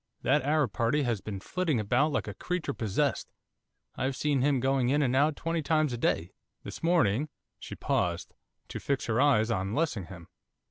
That Arab party has been flitting about like a creature possessed, I've seen him going in and out twenty times a day. This morning ' She paused, to fix her eyes on Lessingham.